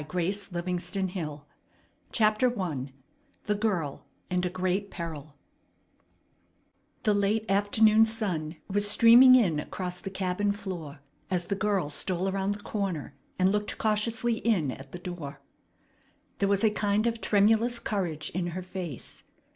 A FINAL FLIGHT AND PURSUIT CHAPTER I THE GIRL, AND A GREAT PERIL The late afternoon sun was streaming in across the cabin floor as the girl stole around the corner and looked cautiously in at the door. There was a kind of tremulous courage in her face.